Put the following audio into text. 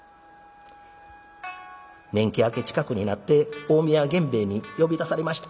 年季明け近くになって近江屋源兵衛に呼び出されました。